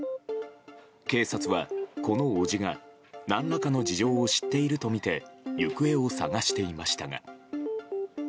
警察は、この伯父が何らかの事情を知っているとみて行方を捜していましたが。